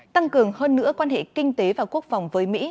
tăng cường hơn nữa quan hệ kinh tế và quốc phòng với mỹ